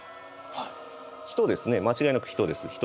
人ですね間違いなく人です。